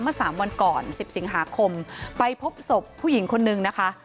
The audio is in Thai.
สามวันก่อน๑๐สิงหาคมไปพบศพผู้หญิงคนนึงนะคะ